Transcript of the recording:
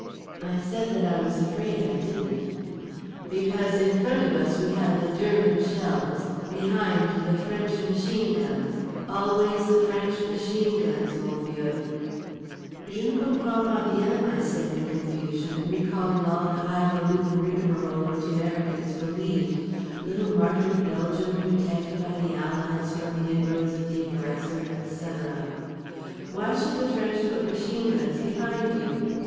I said that I was afraid I didn't. "Because in front of us we had the German shells, behind, the French machine guns, always the French machine guns, mon vieux." "Je ne comprends pas bien" I said in confusion, recalling all the highfalutin rigmarole which Americans believed—(little martyred Belgium protected by the allies from the inroads of the aggressor, etc.)—"why should the French put machine guns behind you?"